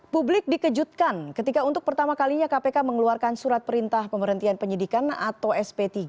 publik dikejutkan ketika untuk pertama kalinya kpk mengeluarkan surat perintah pemberhentian penyidikan atau sp tiga